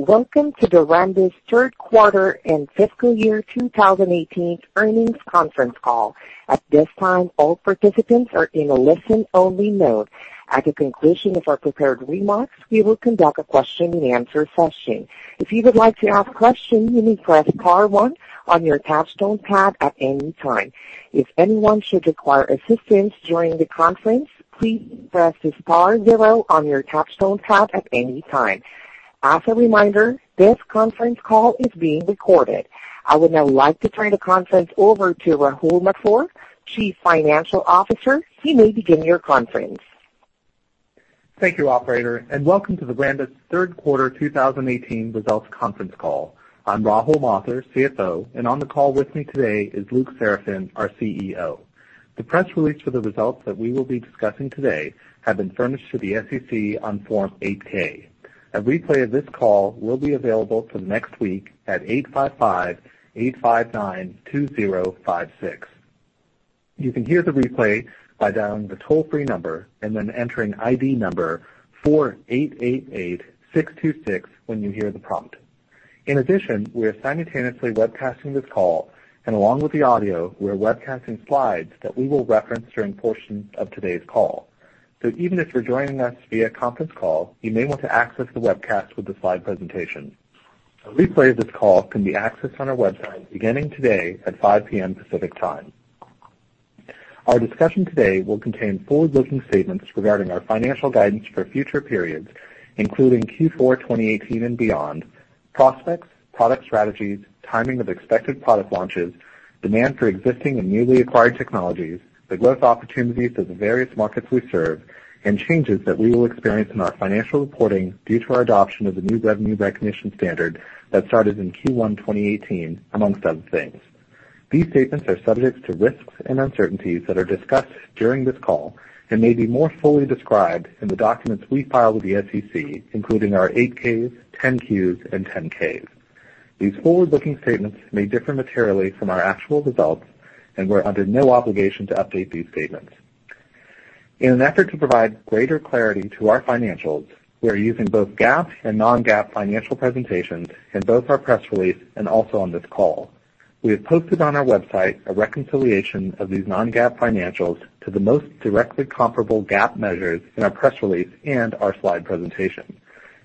Welcome to Rambus' third quarter and fiscal year 2018 earnings conference call. At this time, all participants are in a listen-only mode. At the conclusion of our prepared remarks, we will conduct a question-and-answer session. If you would like to ask a question, you may press star one on your touchtone pad at any time. If anyone should require assistance during the conference, please press star zero on your touchtone pad at any time. As a reminder, this conference call is being recorded. I would now like to turn the conference over to Rahul Mathur, Chief Financial Officer. You may begin your conference. Thank you, operator. Welcome to the Rambus third quarter 2018 results conference call. I'm Rahul Mathur, CFO, and on the call with me today is Luc Seraphin, our CEO. The press release for the results that we will be discussing today have been furnished to the SEC on Form 8-K. A replay of this call will be available for the next week at 855-859-2056. You can hear the replay by dialing the toll-free number and then entering ID number 4888626 when you hear the prompt. In addition, we are simultaneously webcasting this call. Along with the audio, we are webcasting slides that we will reference during portions of today's call. Even if you're joining us via conference call, you may want to access the webcast with the slide presentation. A replay of this call can be accessed on our website beginning today at 5:00 P.M. Pacific Time. Our discussion today will contain forward-looking statements regarding our financial guidance for future periods, including Q4 2018 and beyond, prospects, product strategies, timing of expected product launches, demand for existing and newly acquired technologies, the growth opportunities of the various markets we serve, Changes that we will experience in our financial reporting due to our adoption of the new revenue recognition standard that started in Q1 2018, amongst other things. These statements are subject to risks and uncertainties that are discussed during this call and may be more fully described in the documents we file with the SEC, including our 8-Ks, 10-Qs, and 10-Ks. These forward-looking statements may differ materially from our actual results. We're under no obligation to update these statements. In an effort to provide greater clarity to our financials, we are using both GAAP and non-GAAP financial presentations in both our press release and also on this call. We have posted on our website a reconciliation of these non-GAAP financials to the most directly comparable GAAP measures in our press release and our slide presentation.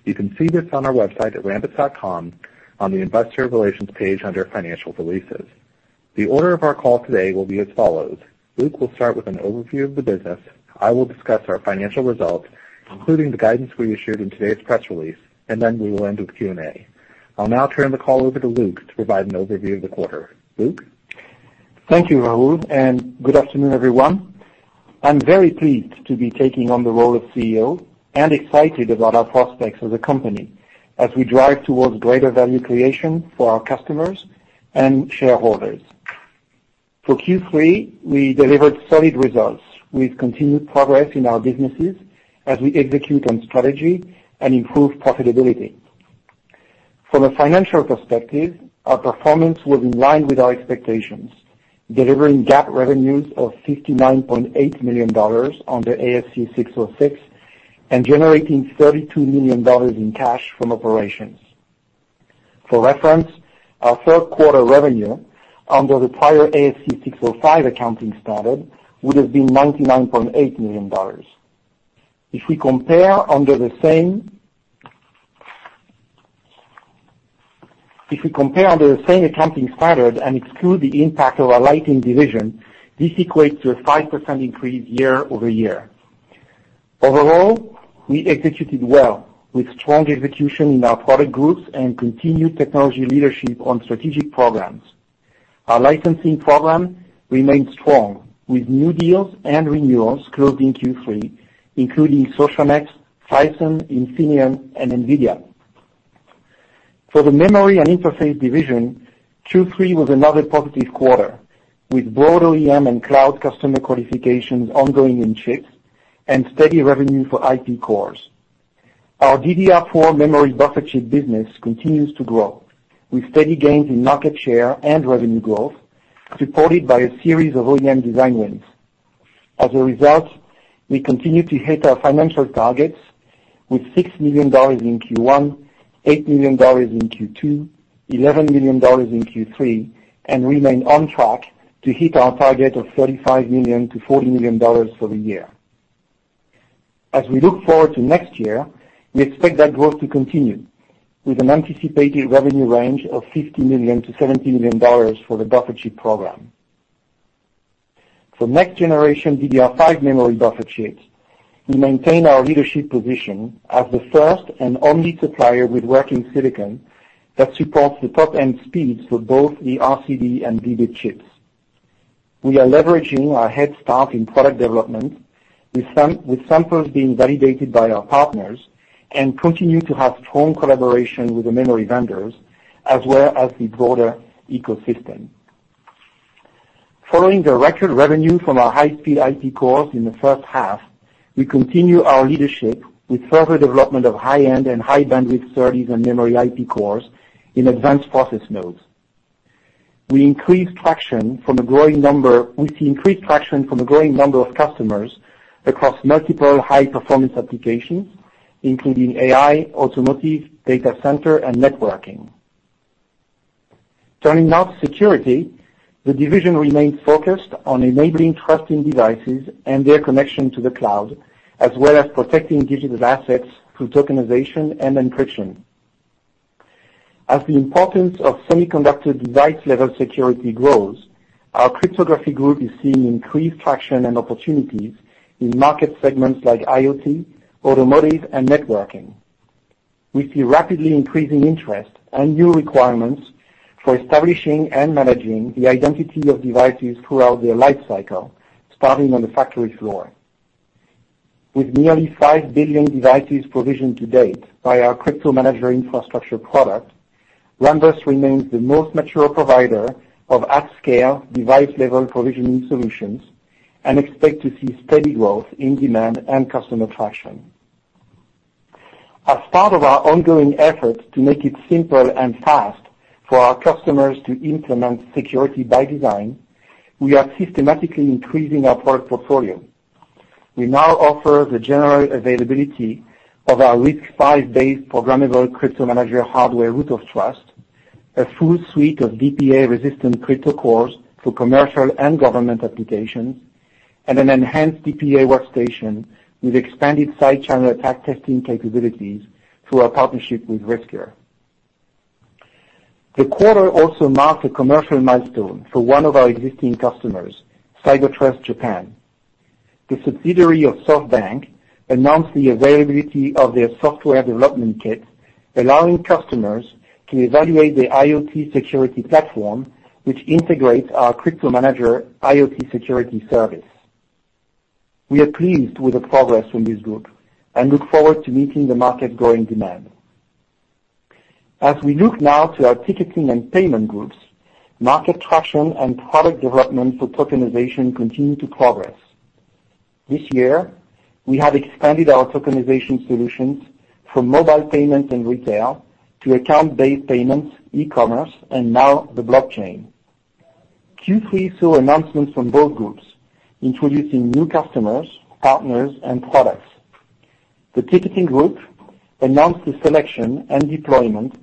You can see this on our website at rambus.com on the investor relations page under financial releases. The order of our call today will be as follows. Luc will start with an overview of the business. I will discuss our financial results, including the guidance we issued in today's press release. Then we will end with Q&A. I'll now turn the call over to Luc to provide an overview of the quarter. Luc? Thank you, Rahul, and good afternoon, everyone. I am very pleased to be taking on the role of CEO and excited about our prospects as a company as we drive towards greater value creation for our customers and shareholders. For Q3, we delivered solid results with continued progress in our businesses as we execute on strategy and improve profitability. From a financial perspective, our performance was in line with our expectations, delivering GAAP revenues of $59.8 million under ASC 606 and generating $32 million in cash from operations. For reference, our third quarter revenue under the prior ASC 605 accounting standard would have been $99.8 million. If we compare under the same accounting standard and exclude the impact of our lighting division, this equates to a 5% increase year-over-year. Overall, we executed well with strong execution in our product groups and continued technology leadership on strategic programs. Our licensing program remains strong with new deals and renewals closed in Q3, including Socionext, Phison, Infineon, and NVIDIA. For the memory and interface division, Q3 was another positive quarter with broad OEM and cloud customer qualifications ongoing in chips and steady revenue for IP cores. Our DDR4 memory buffer chip business continues to grow with steady gains in market share and revenue growth, supported by a series of OEM design wins. As a result, we continue to hit our financial targets with $6 million in Q1, $8 million in Q2, $11 million in Q3, and remain on track to hit our target of $35 million-$40 million for the year. As we look forward to next year, we expect that growth to continue, with an anticipated revenue range of $50 million-$70 million for the buffer chip program. For next generation DDR5 memory buffer chips, we maintain our leadership position as the first and only supplier with working silicon that supports the top-end speeds for both the RCD and DB chips. We are leveraging our head start in product development with samples being validated by our partners and continue to have strong collaboration with the memory vendors, as well as the broader ecosystem. Following the record revenue from our high-speed IP cores in the first half, we continue our leadership with further development of high-end and high-bandwidth series and memory IP cores in advanced process nodes. We see increased traction from a growing number of customers across multiple high-performance applications, including AI, automotive, data center, and networking. Turning now to security, the division remains focused on enabling trust in devices and their connection to the cloud, as well as protecting digital assets through tokenization and encryption. As the importance of semiconductor device-level security grows, our cryptography group is seeing increased traction and opportunities in market segments like IoT, automotive, and networking. We see rapidly increasing interest and new requirements for establishing and managing the identity of devices throughout their lifecycle, starting on the factory floor. With nearly 5 billion devices provisioned to date by our CryptoManager infrastructure product, Rambus remains the most mature provider of at-scale device-level provisioning solutions and expect to see steady growth in demand and customer traction. As part of our ongoing efforts to make it simple and fast for our customers to implement security by design, we are systematically increasing our product portfolio. We now offer the general availability of our RISC-V based programmable CryptoManager hardware root of trust, a full suite of DPA-resistant crypto cores for commercial and government applications, and an enhanced DPA workstation with expanded side channel attack testing capabilities through our partnership with Riscure. The quarter also marked a commercial milestone for one of our existing customers, Cybertrust Japan. The subsidiary of SoftBank announced the availability of their software development kit, allowing customers to evaluate their IoT security platform, which integrates our CryptoManager IoT security service. We are pleased with the progress from this group and look forward to meeting the market's growing demand. As we look now to our ticketing and payment groups, market traction and product development for tokenization continue to progress. This year, we have expanded our tokenization solutions from mobile payments and retail to account-based payments, e-commerce, and now the blockchain. Q3 saw announcements from both groups introducing new customers, partners, and products. The ticketing group announced the selection and deployment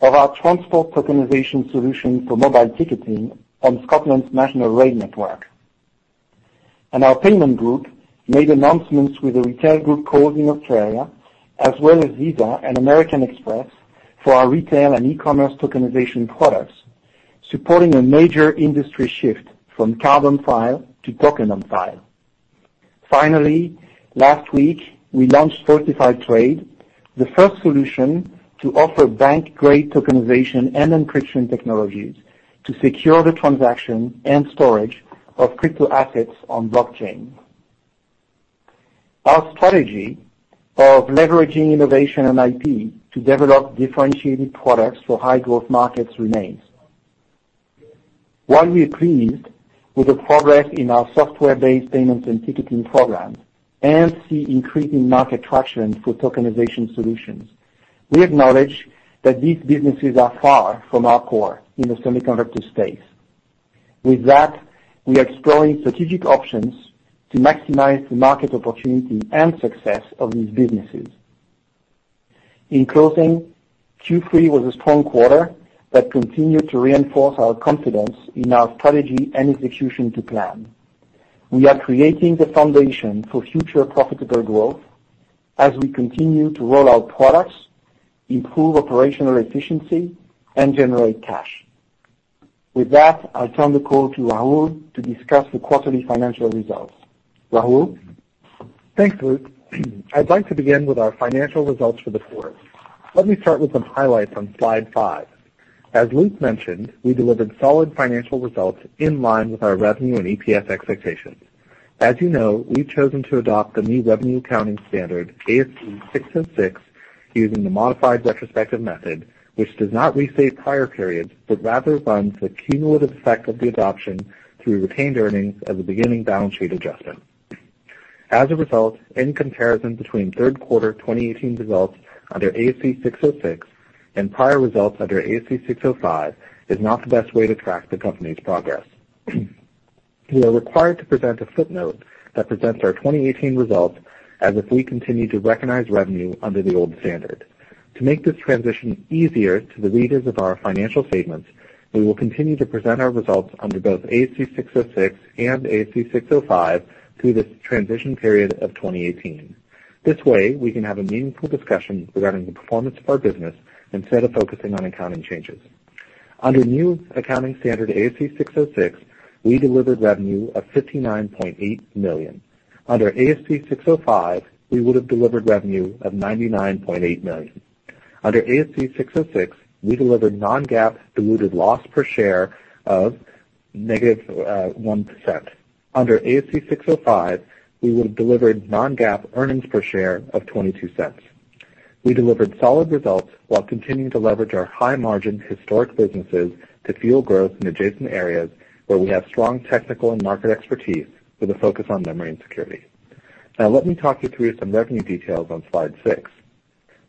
of our transport tokenization solution for mobile ticketing on Scotland's national rail network. Our payment group made announcements with a retail group Coles in Australia., as well as Visa and American Express for our retail and e-commerce tokenization products, supporting a major industry shift from card on file to token on file. Finally, last week, we launched Vaultify Trade, the first solution to offer bank-grade tokenization and encryption technologies to secure the transaction and storage of crypto assets on blockchain. Our strategy of leveraging innovation and IP to develop differentiated products for high-growth markets remains. While we are pleased with the progress in our software-based payments and ticketing programs and see increasing market traction for tokenization solutions, we acknowledge that these businesses are far from our core in the semiconductor space. With that, we are exploring strategic options to maximize the market opportunity and success of these businesses. In closing, Q3 was a strong quarter that continued to reinforce our confidence in our strategy and execution to plan. We are creating the foundation for future profitable growth as we continue to roll out products, improve operational efficiency, and generate cash. With that, I'll turn the call to Rahul to discuss the quarterly financial results. Rahul? Thanks, Luc. I'd like to begin with our financial results for the quarter. Let me start with some highlights on slide five. As Luc mentioned, we delivered solid financial results in line with our revenue and EPS expectations. As you know, we've chosen to adopt the new revenue accounting standard, ASC 606, using the modified retrospective method, which does not restate prior periods, but rather runs the cumulative effect of the adoption through retained earnings as a beginning balance sheet adjustment. As a result, any comparison between third quarter 2018 results under ASC 606 and prior results under ASC 605 is not the best way to track the company's progress. We are required to present a footnote that presents our 2018 results as if we continue to recognize revenue under the old standard. To make this transition easier to the readers of our financial statements, we will continue to present our results under both ASC 606 and ASC 605 through this transition period of 2018. This way, we can have a meaningful discussion regarding the performance of our business instead of focusing on accounting changes. Under new accounting standard ASC 606, we delivered revenue of $59.8 million. Under ASC 605, we would have delivered revenue of $99.8 million. Under ASC 606, we delivered non-GAAP diluted loss per share of -1%. Under ASC 605, we would have delivered non-GAAP earnings per share of $0.22. We delivered solid results while continuing to leverage our high-margin historic businesses to fuel growth in adjacent areas where we have strong technical and market expertise with a focus on memory and security. Let me talk you through some revenue details on slide six.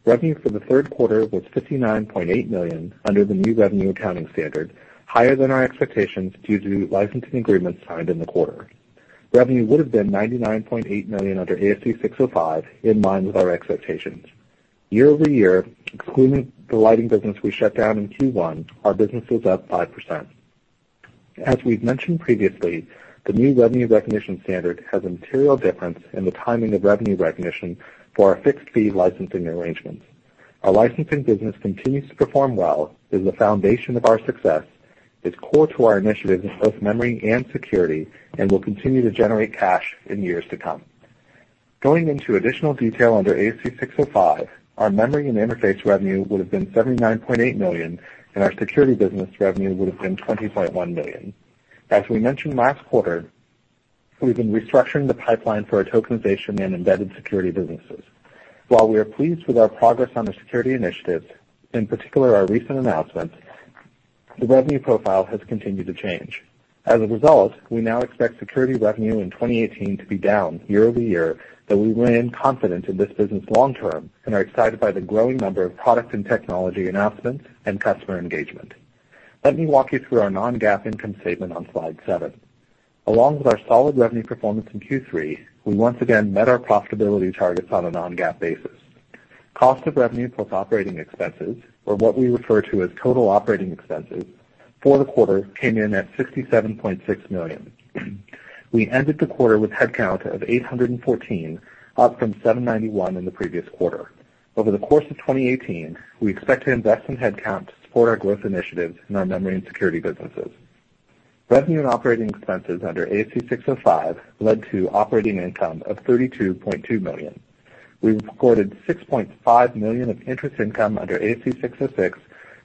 Revenue for the third quarter was $59.8 million under the new revenue accounting standard, higher than our expectations due to licensing agreements signed in the quarter. Revenue would have been $99.8 million under ASC 605, in line with our expectations. Year-over-year, excluding the lighting business we shut down in Q1, our business was up 5%. As we've mentioned previously, the new revenue recognition standard has a material difference in the timing of revenue recognition for our fixed-fee licensing arrangements. Our licensing business continues to perform well, is the foundation of our success, is core to our initiatives in both memory and security, and will continue to generate cash in years to come. Going into additional detail under ASC 605, our memory and interface revenue would have been $79.8 million, and our security business revenue would have been $20.1 million. As we mentioned last quarter, we've been restructuring the pipeline for our tokenization and embedded security businesses. While we are pleased with our progress on the security initiatives, in particular our recent announcements, the revenue profile has continued to change. As a result, we now expect security revenue in 2018 to be down year-over-year, but we remain confident in this business long term and are excited by the growing number of product and technology announcements and customer engagement. Let me walk you through our non-GAAP income statement on slide seven. Along with our solid revenue performance in Q3, we once again met our profitability targets on a non-GAAP basis. Cost of revenue plus operating expenses, or what we refer to as total operating expenses for the quarter, came in at $67.6 million. We ended the quarter with headcount of 814, up from 791 in the previous quarter. Over the course of 2018, we expect to invest in headcount to support our growth initiatives in our memory and security businesses. Revenue and operating expenses under ASC 605 led to operating income of $32.2 million. We recorded $6.5 million of interest income under ASC 606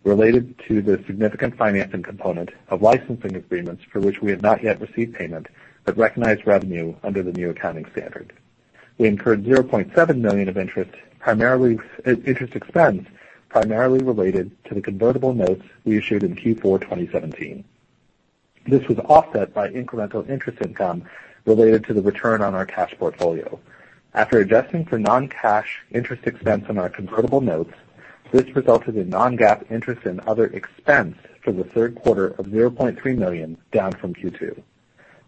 related to the significant financing component of licensing agreements for which we have not yet received payment, but recognized revenue under the new accounting standard. We incurred $0.7 million of interest expense primarily related to the convertible notes we issued in Q4 2017. This was offset by incremental interest income related to the return on our cash portfolio. After adjusting for non-cash interest expense on our convertible notes, this resulted in non-GAAP interest and other expense for the third quarter of $0.3 million, down from Q2.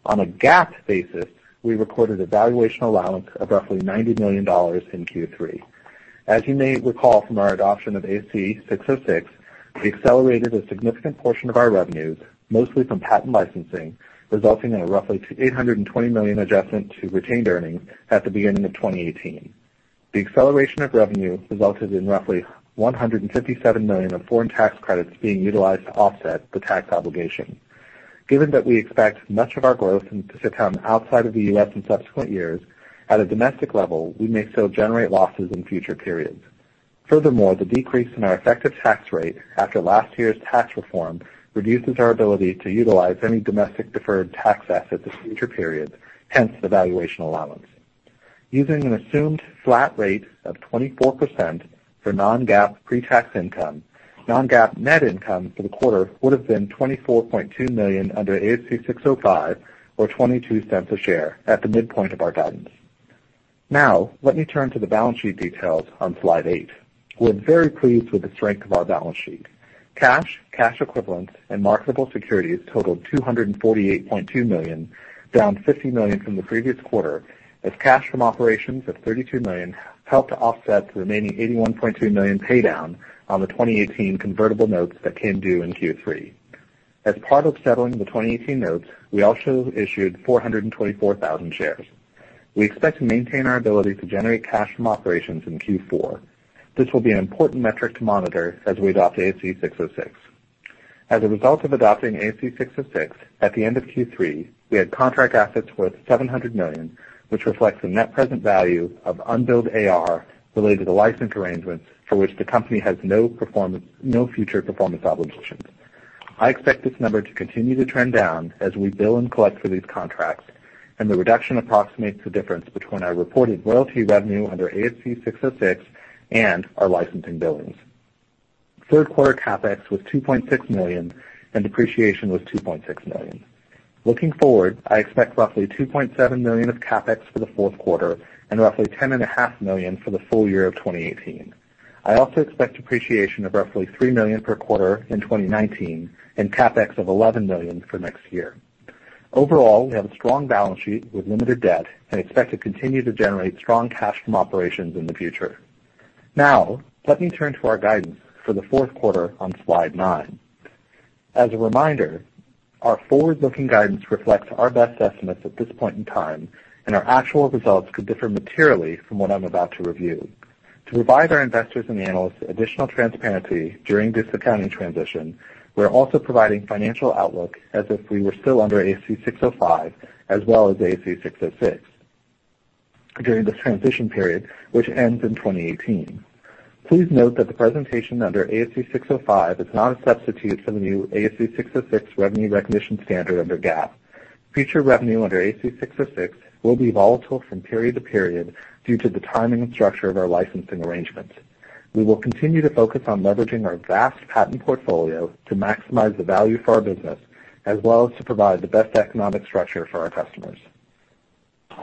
On a GAAP basis, we recorded a valuation allowance of roughly $90 million in Q3. As you may recall from our adoption of ASC 606, we accelerated a significant portion of our revenues, mostly from patent licensing, resulting in a roughly $820 million adjustment to retained earnings at the beginning of 2018. The acceleration of revenue resulted in roughly $157 million of foreign tax credits being utilized to offset the tax obligation. Given that we expect much of our growth to come outside of the U.S. in subsequent years, at a domestic level, we may still generate losses in future periods. Furthermore, the decrease in our effective tax rate after last year's tax reform reduces our ability to utilize any domestic deferred tax assets in future periods, hence the valuation allowance. Using an assumed flat rate of 24% for non-GAAP pre-tax income, non-GAAP net income for the quarter would have been $24.2 million under ASC 605 or $0.22 a share at the midpoint of our guidance. Let me turn to the balance sheet details on slide eight. We're very pleased with the strength of our balance sheet. Cash, cash equivalents, and marketable securities totaled $248.2 million, down $50 million from the previous quarter, as cash from operations of $32 million helped to offset the remaining $81.2 million paydown on the 2018 convertible notes that came due in Q3. As part of settling the 2018 notes, we also issued 424,000 shares. We expect to maintain our ability to generate cash from operations in Q4. This will be an important metric to monitor as we adopt ASC 606. As a result of adopting ASC 606, at the end of Q3, we had contract assets worth $700 million, which reflects the net present value of unbilled AR related to license arrangements for which the company has no future performance obligations. I expect this number to continue to trend down as we bill and collect for these contracts, and the reduction approximates the difference between our reported royalty revenue under ASC 606 and our licensing billings. Third quarter CapEx was $2.6 million, and depreciation was $2.6 million. Looking forward, I expect roughly $2.7 million of CapEx for the fourth quarter and roughly $10.5 million for the full year of 2018. I also expect depreciation of roughly $3 million per quarter in 2019 and CapEx of $11 million for next year. Overall, we have a strong balance sheet with limited debt and expect to continue to generate strong cash from operations in the future. Let me turn to our guidance for the fourth quarter on slide nine. As a reminder, our forward-looking guidance reflects our best estimates at this point in time, and our actual results could differ materially from what I'm about to review. To provide our investors and analysts additional transparency during this accounting transition, we're also providing financial outlook as if we were still under ASC 605 as well as ASC 606 during this transition period, which ends in 2018. Please note that the presentation under ASC 605 is not a substitute for the new ASC 606 revenue recognition standard under GAAP. Future revenue under ASC 606 will be volatile from period to period due to the timing and structure of our licensing arrangements. We will continue to focus on leveraging our vast patent portfolio to maximize the value for our business as well as to provide the best economic structure for our customers.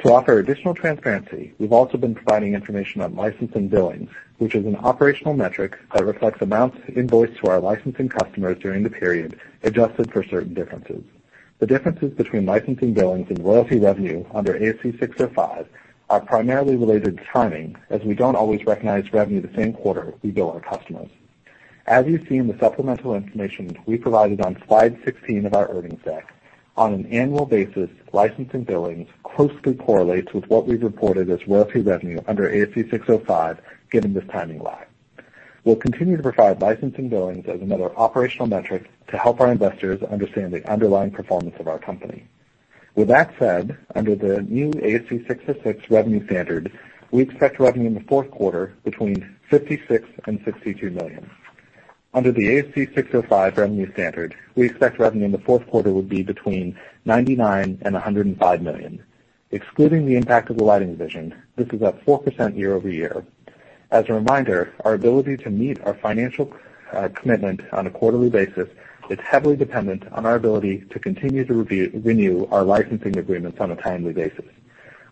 To offer additional transparency, we've also been providing information on licensing billings, which is an operational metric that reflects amounts invoiced to our licensing customers during the period, adjusted for certain differences. The differences between licensing billings and royalty revenue under ASC 605 are primarily related to timing, as we don't always recognize revenue the same quarter we bill our customers. As you see in the supplemental information we provided on slide 16 of our earnings deck, on an annual basis, licensing billings closely correlates with what we've reported as royalty revenue under ASC 605, given this timing lag. We'll continue to provide licensing billings as another operational metric to help our investors understand the underlying performance of our company. With that said, under the new ASC 606 revenue standard, we expect revenue in the fourth quarter between $56 million and $62 million. Under the ASC 605 revenue standard, we expect revenue in the fourth quarter will be between $99 million and $105 million. Excluding the impact of the lighting division, this is up 4% year-over-year. As a reminder, our ability to meet our financial commitment on a quarterly basis is heavily dependent on our ability to continue to renew our licensing agreements on a timely basis.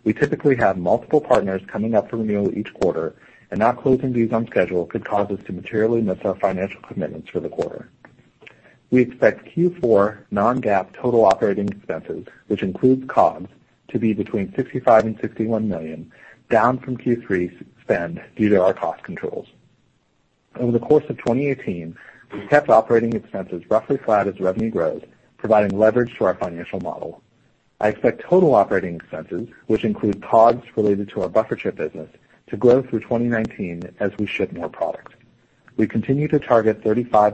We typically have multiple partners coming up for renewal each quarter, and not closing these on schedule could cause us to materially miss our financial commitments for the quarter. We expect Q4 non-GAAP total operating expenses, which includes COGS, to be between $65 million and $61 million, down from Q3 spend due to our cost controls. Over the course of 2018, we've kept operating expenses roughly flat as revenue grows, providing leverage to our financial model. I expect total operating expenses, which include COGS related to our buffer chip business, to grow through 2019 as we ship more product. We continue to target $35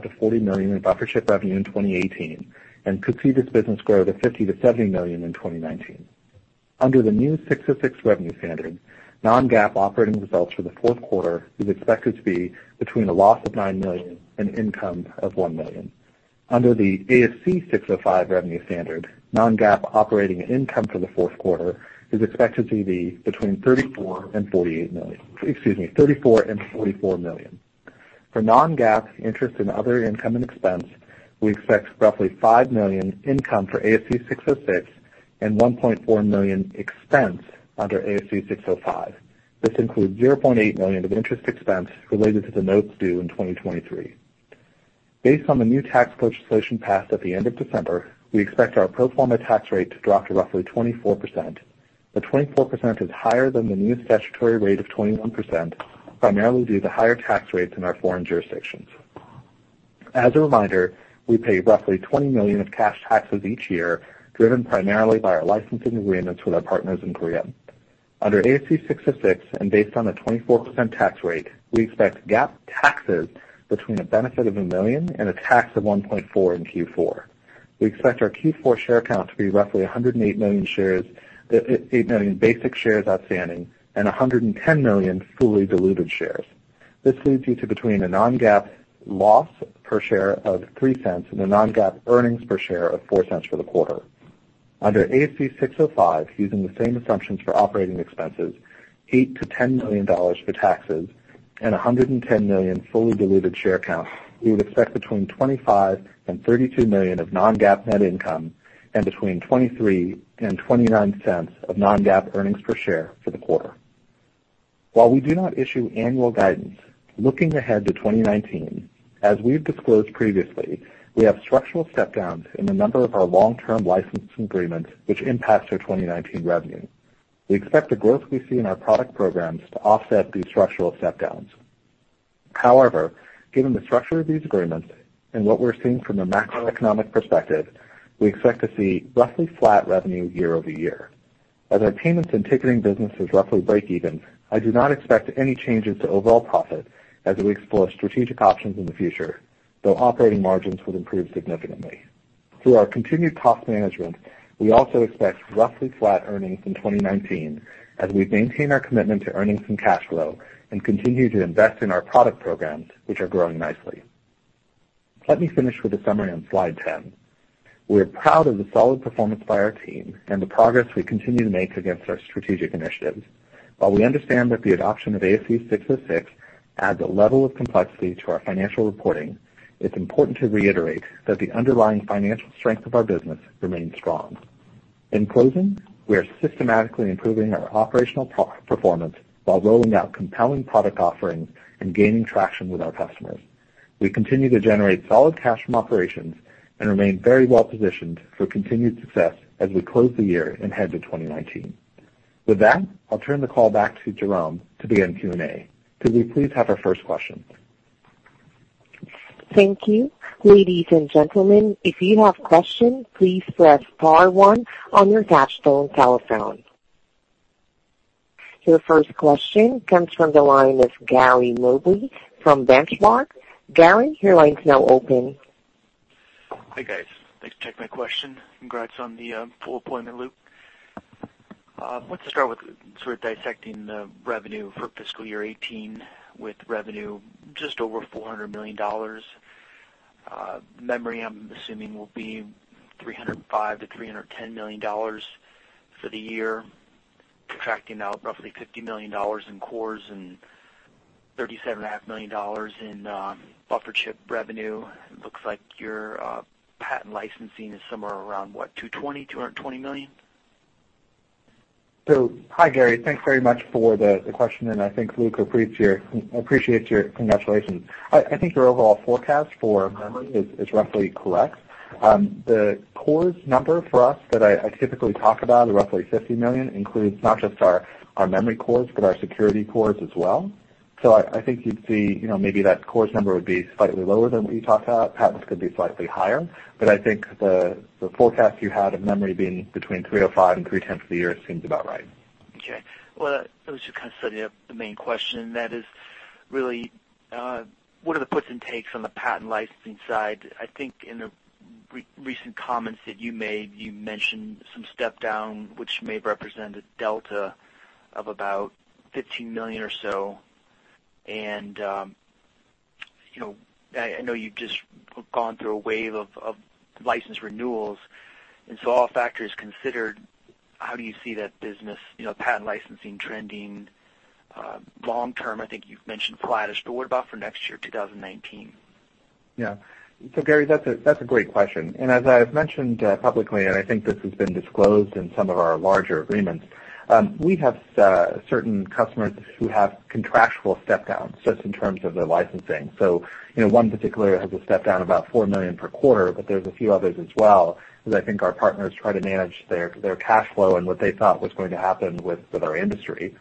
million-$40 million in buffer chip revenue in 2018 and could see this business grow to $50 million-$70 million in 2019. Under the new ASC 606 revenue standard, non-GAAP operating results for the fourth quarter is expected to be between a loss of $9 million and income of $1 million. Under the ASC 605 revenue standard, non-GAAP operating income for the fourth quarter is expected to be between $34 million and $48 million. Excuse me, $34 million and $44 million. For non-GAAP interest and other income and expense, we expect roughly $5 million income for ASC 606 and $1.4 million expense under ASC 605. This includes $0.8 million of interest expense related to the notes due in 2023. Based on the new tax legislation passed at the end of December, we expect our pro forma tax rate to drop to roughly 24%. The 24% is higher than the new statutory rate of 21%, primarily due to higher tax rates in our foreign jurisdictions. As a reminder, we pay roughly $20 million of cash taxes each year, driven primarily by our licensing agreements with our partners in Korea. Under ASC 606, and based on a 24% tax rate, we expect GAAP taxes between a benefit of $1 million and a tax of $1.4 million in Q4. We expect our Q4 share count to be roughly 108 million basic shares outstanding and 110 million fully diluted shares. This leads you to between a non-GAAP loss per share of $0.03 and a non-GAAP earnings per share of $0.04 for the quarter. Under ASC 605, using the same assumptions for operating expenses, $8 million-$10 million for taxes, and 110 million fully diluted share count, we would expect between $25 million and $32 million of non-GAAP net income and between $0.23 and $0.29 of non-GAAP earnings per share for the quarter. While we do not issue annual guidance, looking ahead to 2019, as we've disclosed previously, we have structural step downs in a number of our long-term licensing agreements, which impact our 2019 revenue. We expect the growth we see in our product programs to offset these structural step downs. Given the structure of these agreements and what we're seeing from the macroeconomic perspective, we expect to see roughly flat revenue year-over-year. As our payments and ticketing business is roughly breakeven, I do not expect any changes to overall profit as we explore strategic options in the future, though operating margins will improve significantly. Through our continued cost management, we also expect roughly flat earnings in 2019 as we maintain our commitment to earnings and cash flow and continue to invest in our product programs, which are growing nicely. Let me finish with a summary on slide 10. We are proud of the solid performance by our team and the progress we continue to make against our strategic initiatives. While we understand that the adoption of ASC 606 adds a level of complexity to our financial reporting, it is important to reiterate that the underlying financial strength of our business remains strong. In closing, we are systematically improving our operational performance while rolling out compelling product offerings and gaining traction with our customers. We continue to generate solid cash from operations and remain very well positioned for continued success as we close the year and head to 2019. With that, I will turn the call back to Jerome to begin Q&A. Could we please have our first question? Thank you. Ladies and gentlemen, if you have questions, please press star one on your touchtone telephone. Your first question comes from the line of Gary Mobley from Benchmark. Gary, your line is now open. Hi, guys. Thanks for taking my question. Congrats on the full appointment, Luc. I want to start with sort of dissecting the revenue for fiscal year 2018, with revenue just over $400 million. Memory, I'm assuming, will be $305 million-$310 million for the year, contracting out roughly $50 million in cores and $37.5 million in buffer chip revenue. It looks like your patent licensing is somewhere around, what, $220 million? Hi, Gary. Thanks very much for the question, and I think Luc appreciates your congratulations. I think your overall forecast for memory is roughly correct. The cores number for us that I typically talk about are roughly $50 million, includes not just our memory cores but our security cores as well. I think you'd see maybe that cores number would be slightly lower than what you talked about. Patents could be slightly higher. I think the forecast you had of memory being between $305 million and $310 million for the year seems about right. Okay. Well, that was just kind of setting up the main question, and that is really, what are the puts and takes on the patent licensing side? I think in the recent comments that you made, you mentioned some step-down, which may have represented a delta of about $15 million or so. I know you've just gone through a wave of license renewals, so all factors considered, how do you see that business, patent licensing trending, long term? I think you've mentioned flattish, what about for next year, 2019? Yeah. Gary, that's a great question. As I've mentioned publicly, and I think this has been disclosed in some of our larger agreements, we have certain customers who have contractual step-downs just in terms of their licensing. One particular has a step-down about $4 million per quarter, but there's a few others as well, because I think our partners try to manage their cash flow and what they thought was going to happen with our industry.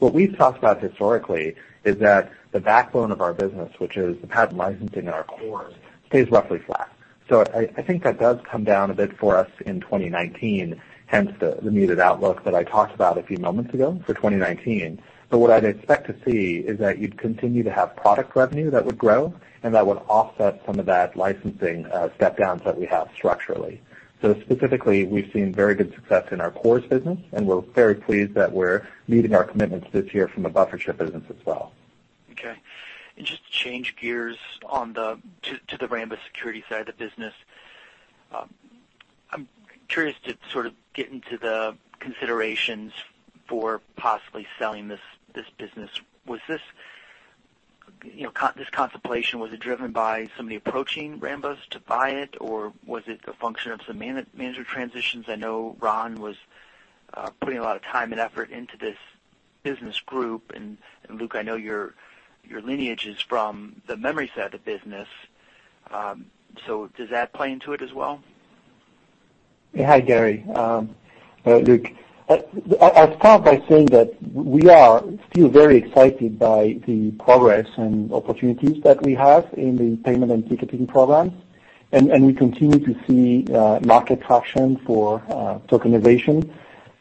What we've talked about historically is that the backbone of our business, which is the patent licensing and our cores, stays roughly flat. I think that does come down a bit for us in 2019, hence the muted outlook that I talked about a few moments ago for 2019. What I'd expect to see is that you'd continue to have product revenue that would grow and that would offset some of that licensing step-downs that we have structurally. Specifically, we've seen very good success in our cores business, and we're very pleased that we're meeting our commitments this year from the buffer chip business as well. Okay. Just to change gears to the Rambus Security side of the business. I'm curious to sort of get into the considerations for possibly selling this business. This contemplation, was it driven by somebody approaching Rambus to buy it, or was it a function of some manager transitions? I know Ron was putting a lot of time and effort into this business group, and Luke, I know your lineage is from the memory side of the business, does that play into it as well? Yeah. Hi, Gary. Luke. I'll start by saying that we are still very excited by the progress and opportunities that we have in the payment and ticketing programs, we continue to see market traction for tokenization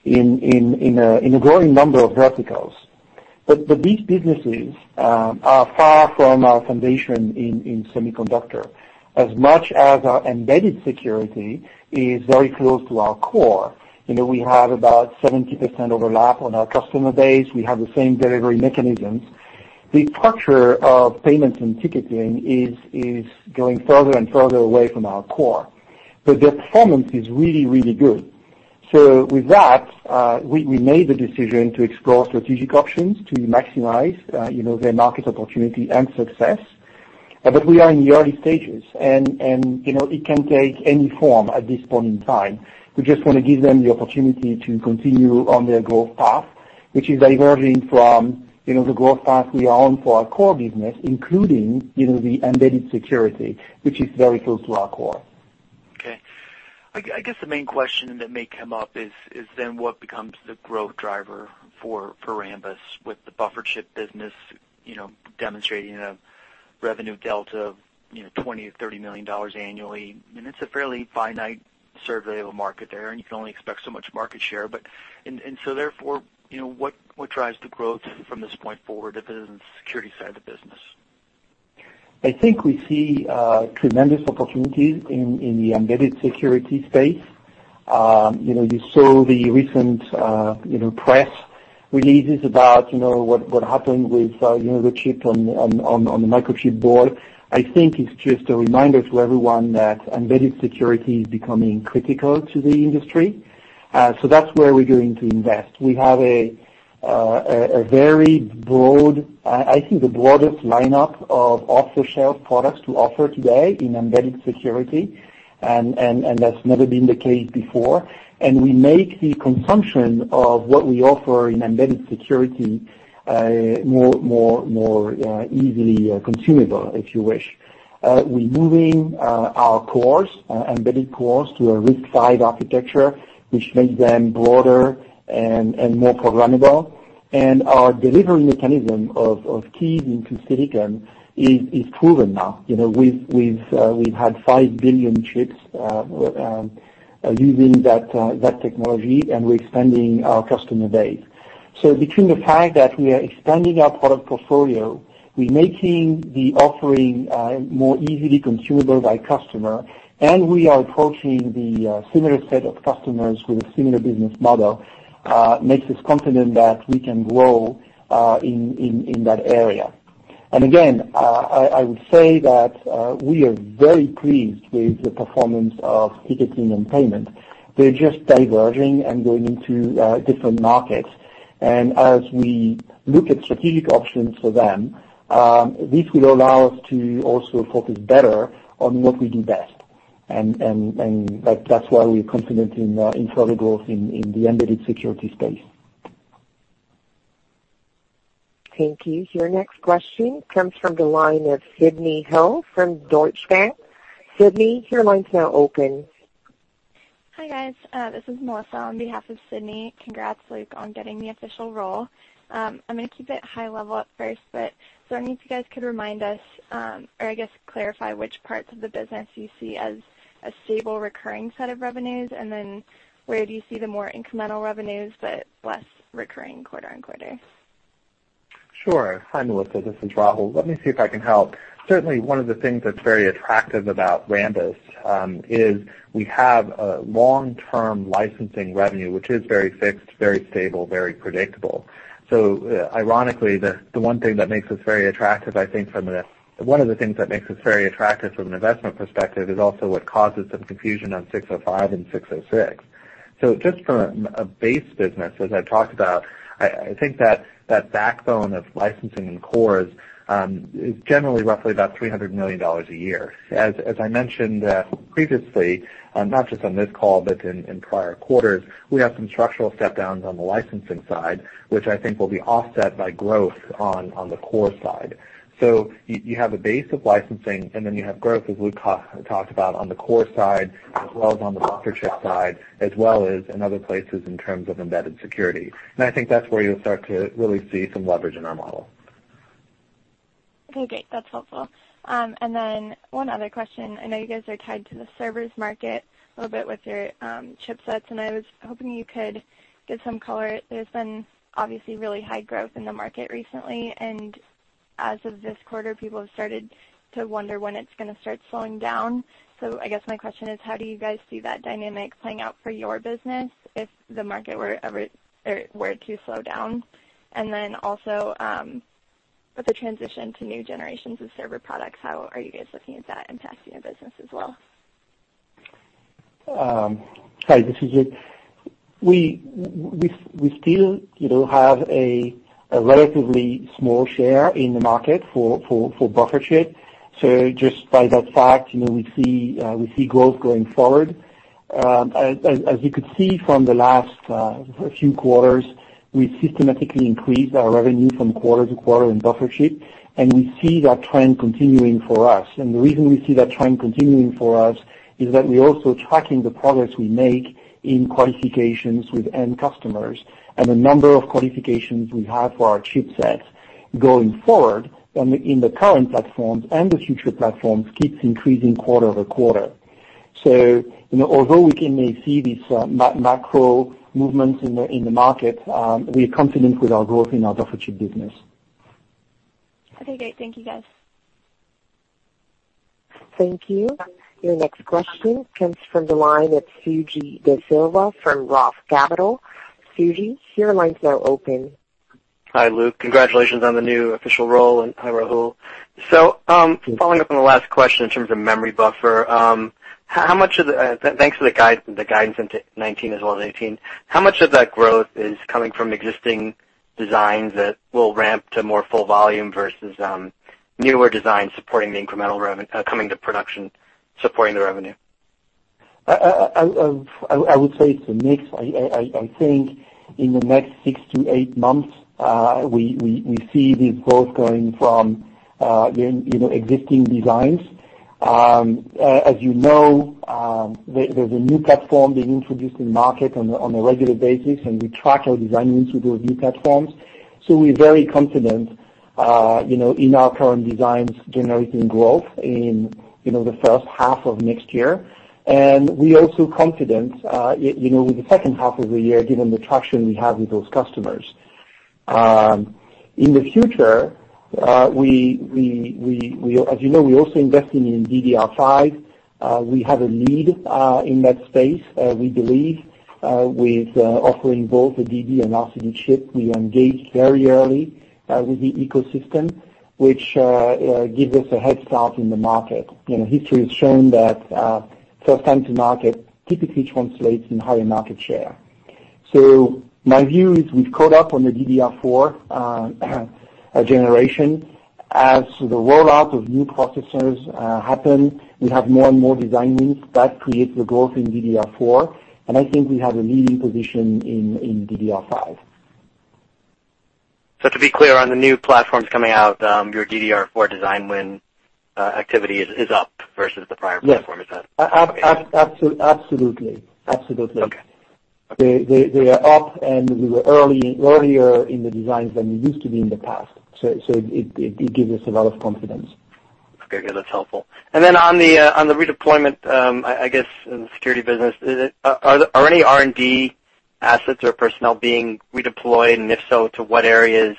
in a growing number of verticals. These businesses are far from our foundation in semiconductor. As much as our embedded security is very close to our core, we have about 70% overlap on our customer base, we have the same delivery mechanisms. The structure of payments and ticketing is going further and further away from our core, but their performance is really, really good. With that, we made the decision to explore strategic options to maximize their market opportunity and success. We are in the early stages, and it can take any form at this point in time. We just want to give them the opportunity to continue on their growth path, which is diverging from the growth path we are on for our core business, including the embedded security, which is very close to our core. Okay. I guess the main question that may come up is then what becomes the growth driver for Rambus with the buffer chip business demonstrating a revenue delta of $20 million-$30 million annually. I mean, it's a fairly finite survey of a market there, and you can only expect so much market share. Therefore, what drives the growth from this point forward if it isn't the security side of the business? I think we see tremendous opportunities in the embedded security space. You saw the recent press releases about what happened with the chip on the microchip board. I think it's just a reminder to everyone that embedded security is becoming critical to the industry. That's where we're going to invest. We have a very broad, I think the broadest lineup of off-the-shelf products to offer today in embedded security, and that's never been the case before. We make the consumption of what we offer in embedded security more easily consumable, if you wish. We're moving our cores, our embedded cores, to a RISC-V architecture, which makes them broader and more programmable. Our delivery mechanism of keys into silicon is proven now. We've had 5 billion chips using that technology, and we're expanding our customer base. Between the fact that we are expanding our product portfolio, we're making the offering more easily consumable by customer, and we are approaching the similar set of customers with a similar business model, makes us confident that we can grow in that area. Again, I would say that we are very pleased with the performance of ticketing and payment. They're just diverging and going into different markets. As we look at strategic options for them, this will allow us to also focus better on what we do best. That's why we're confident in further growth in the embedded security space. Thank you. Your next question comes from the line of Sidney Ho from Deutsche Bank. Sidney, your line's now open. Hi, guys. This is Melissa on behalf of Sidney. Congrats, Luc, on getting the official role. I'm going to keep it high level at first. Is there any of you guys could remind us, or I guess clarify which parts of the business you see as a stable recurring set of revenues, and then where do you see the more incremental revenues, but less recurring quarter-over-quarter? Sure. Hi, Melissa. This is Rahul. Let me see if I can help. Certainly, one of the things that's very attractive about Rambus is we have a long-term licensing revenue, which is very fixed, very stable, very predictable. Ironically, the one of the things that makes us very attractive from an investment perspective is also what causes some confusion on 605 and 606. Just from a base business, as I talked about, I think that backbone of licensing and cores is generally roughly about $300 million a year. As I mentioned previously, not just on this call, in prior quarters, we have some structural step downs on the licensing side, which I think will be offset by growth on the core side. You have a base of licensing, and then you have growth, as Luc talked about on the core side, as well as on the buffer chip side, as well as in other places in terms of embedded security. I think that's where you'll start to really see some leverage in our model. Okay, great. That's helpful. One other question. I know you guys are tied to the servers market a little bit with your chipsets, I was hoping you could give some color. There's been obviously really high growth in the market recently, and as of this quarter, people have started to wonder when it's going to start slowing down. I guess my question is, how do you guys see that dynamic playing out for your business if the market were to slow down? Also, with the transition to new generations of server products, how are you guys looking at that impacting your business as well? Hi, this is Luc. We still have a relatively small share in the market for buffer chip. Just by that fact, we see growth going forward. As you could see from the last few quarters, we systematically increased our revenue from quarter to quarter in buffer chip, we see that trend continuing for us. The reason we see that trend continuing for us is that we're also tracking the progress we make in qualifications with end customers and the number of qualifications we have for our chipsets going forward in the current platforms and the future platforms keeps increasing quarter over quarter. Although we may see these macro movements in the market, we are confident with our growth in our buffer chip business. Okay, great. Thank you, guys. Thank you. Your next question comes from the line of Suji Desilva from Roth Capital. Suji, your line's now open. Hi, Luke. Congratulations on the new official role. Hi, Rahul. Following up on the last question in terms of memory buffer, thanks for the guidance into 2019 as well as 2018. How much of that growth is coming from existing designs that will ramp to more full volume versus newer designs coming to production supporting the revenue? I would say it's a mix. I think in the next six to eight months, we see this growth coming from existing designs. As you know, there's a new platform being introduced in market on a regular basis. We track our design wins with those new platforms. We're very confident in our current designs generating growth in the first half of next year. We're also confident with the second half of the year, given the traction we have with those customers. In the future, as you know, we're also investing in DDR5. We have a lead in that space, we believe, with offering both the DB and RCD chip. We engaged very early with the ecosystem, which gives us a head start in the market. History has shown that first time to market typically translates in higher market share. My view is we've caught up on the DDR4 generation. As the rollout of new processors happen, we have more and more design wins. That creates the growth in DDR4. I think we have a leading position in DDR5. To be clear, on the new platforms coming out, your DDR4 design win activity is up versus the prior platform. Is that? Yes. Okay. Absolutely. Okay. They are up, we were earlier in the designs than we used to be in the past. It gives us a lot of confidence. Okay. That's helpful. On the redeployment, I guess in the security business, are any R&D assets or personnel being redeployed? If so, to what areas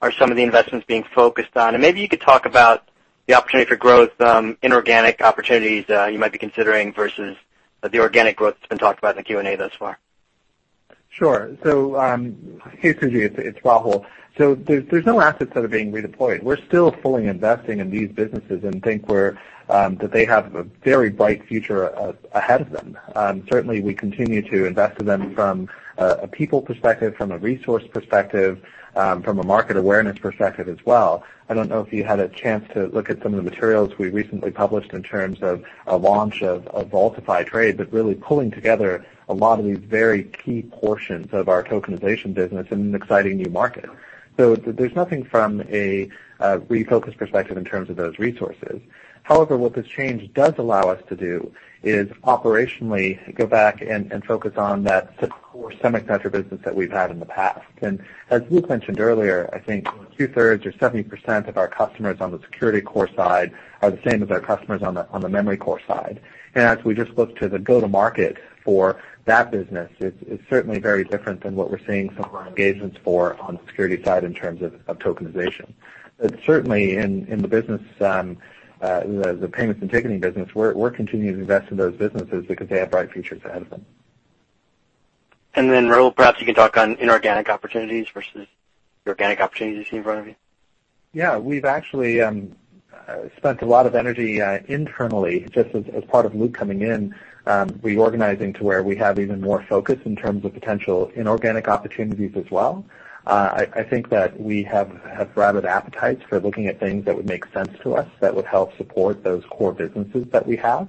are some of the investments being focused on? Maybe you could talk about the opportunity for growth, inorganic opportunities you might be considering versus the organic growth that's been talked about in the Q&A thus far. Sure. Suji, it's Rahul. There's no assets that are being redeployed. We're still fully investing in these businesses and think that they have a very bright future ahead of them. Certainly, we continue to invest in them from a people perspective, from a resource perspective, from a market awareness perspective as well. I don't know if you had a chance to look at some of the materials we recently published in terms of a launch of Vaultify Trade, but really pulling together a lot of these very key portions of our tokenization business in an exciting new market. There's nothing from a refocus perspective in terms of those resources. However, what this change does allow us to do is operationally go back and focus on that core semiconductor business that we've had in the past. As Luc mentioned earlier, I think two-thirds or 70% of our customers on the security core side are the same as our customers on the memory core side. As we just look to the go to market for that business, it's certainly very different than what we're seeing some of our engagements for on the security side in terms of tokenization. Certainly in the business, the payments integrity business, we're continuing to invest in those businesses because they have bright futures ahead of them. Rahul, perhaps you can talk on inorganic opportunities versus the organic opportunities you see in front of you. Yeah, we've actually spent a lot of energy internally just as part of Luc coming in, reorganizing to where we have even more focus in terms of potential inorganic opportunities as well. I think that we have rabid appetites for looking at things that would make sense to us that would help support those core businesses that we have.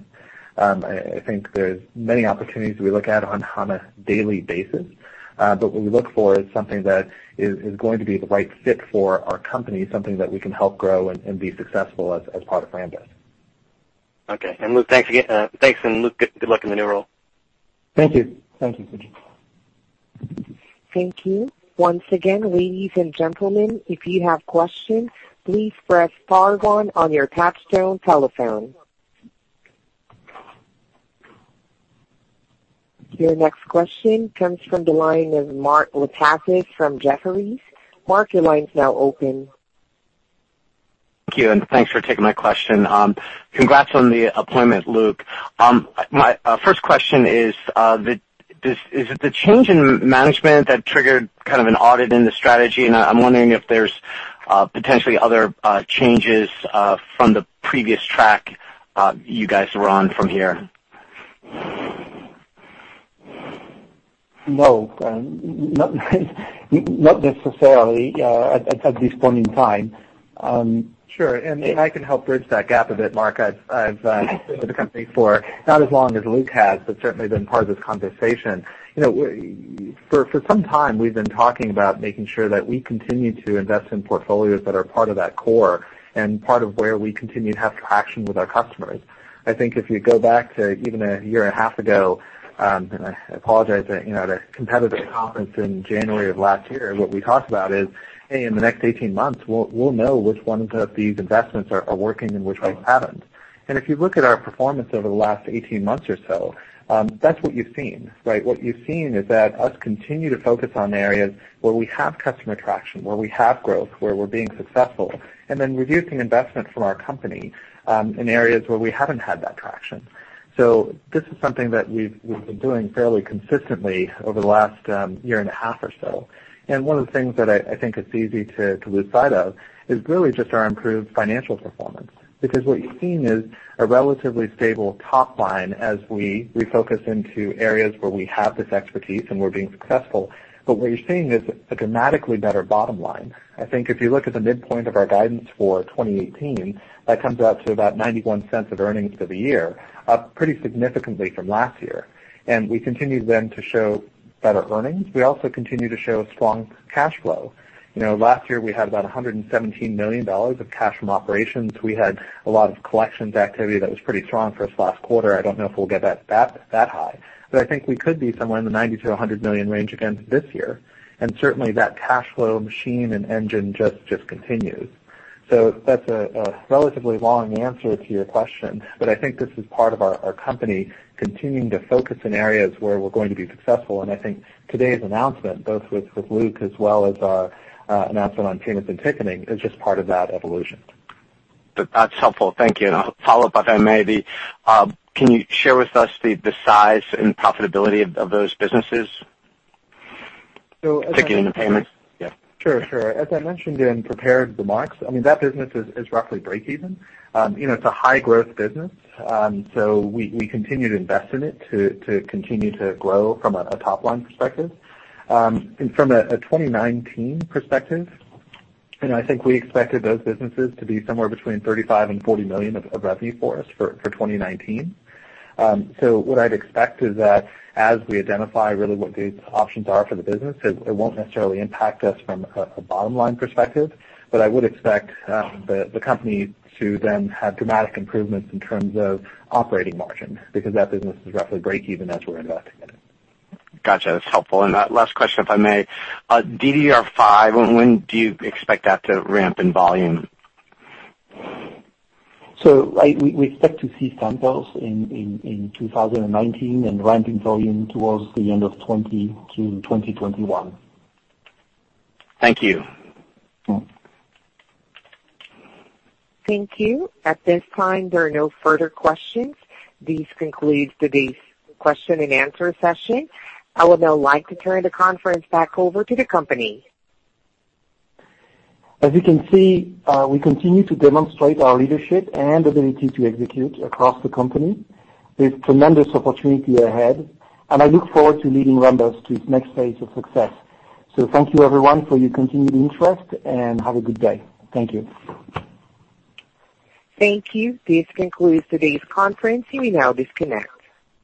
I think there's many opportunities we look at on a daily basis. What we look for is something that is going to be the right fit for our company, something that we can help grow and be successful as part of Rambus. Okay. Luc, thanks again. Thanks, and Luc, good luck in the new role. Thank you. Thank you, Sujeet. Thank you. Once again, ladies and gentlemen, if you have questions, please press star one on your touch-tone telephone. Your next question comes from the line of Mark Lipacis from Jefferies. Mark, your line's now open. Thank you, and thanks for taking my question. Congrats on the appointment, Luc. My first question is it the change in management that triggered kind of an audit in the strategy? I'm wondering if there's potentially other changes from the previous track you guys were on from here. No. Not necessarily at this point in time. Sure, I can help bridge that gap a bit, Mark. I've been with the company for not as long as Luc has, but certainly been part of this conversation. For some time, we've been talking about making sure that we continue to invest in portfolios that are part of that core and part of where we continue to have traction with our customers. I think if you go back to even a year and a half ago, and I apologize, the competitive conference in January of last year, what we talked about is, "Hey, in the next 18 months, we'll know which ones of these investments are working and which ones haven't." If you look at our performance over the last 18 months or so, that's what you've seen, right? What you've seen is that us continue to focus on areas where we have customer traction, where we have growth, where we're being successful, then reducing investment from our company, in areas where we haven't had that traction. This is something that we've been doing fairly consistently over the last year and a half or so. One of the things that I think is easy to lose sight of is really just our improved financial performance. What you're seeing is a relatively stable top line as we refocus into areas where we have this expertise and we're being successful. What you're seeing is a dramatically better bottom line. I think if you look at the midpoint of our guidance for 2018, that comes out to about $0.91 of earnings for the year, up pretty significantly from last year. We continue then to show better earnings. We also continue to show strong cash flow. Last year, we had about $117 million of cash from operations. We had a lot of collections activity that was pretty strong for us last quarter. I don't know if we'll get that high, but I think we could be somewhere in the $90 million-$100 million range again this year. Certainly that cash flow machine and engine just continues. That's a relatively long answer to your question, but I think this is part of our company continuing to focus in areas where we're going to be successful. I think today's announcement, both with Luc as well as our announcement on payments and ticketing, is just part of that evolution. That's helpful. Thank you. A follow-up, if I may be. Can you share with us the size and profitability of those businesses? As I- Particularly in the payments? Yeah. Sure. As I mentioned in prepared remarks, I mean, that business is roughly breakeven. It's a high growth business, we continue to invest in it to continue to grow from a top-line perspective. From a 2019 perspective, I think we expected those businesses to be somewhere between $35 million and $40 million of revenue for us for 2019. What I'd expect is that as we identify really what good options are for the business, it won't necessarily impact us from a bottom-line perspective, but I would expect the company to then have dramatic improvements in terms of operating margin because that business is roughly breakeven as we're investing in it. Got you. That's helpful. Last question, if I may. DDR5, when do you expect that to ramp in volume? We expect to see samples in 2019 and ramp in volume towards the end of 2020 to 2021. Thank you. Thank you. At this time, there are no further questions. This concludes today's question and answer session. I would now like to turn the conference back over to the company. As you can see, we continue to demonstrate our leadership and ability to execute across the company. There's tremendous opportunity ahead, and I look forward to leading Rambus to its next phase of success. Thank you everyone for your continued interest, and have a good day. Thank you. Thank you. This concludes today's conference. You may now disconnect.